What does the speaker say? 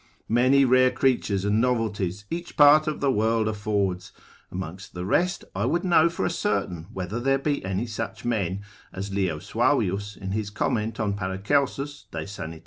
Many rare creatures and novelties each part of the world affords: amongst the rest, I would know for a certain whether there be any such men, as Leo Suavius, in his comment on Paracelsus de sanit.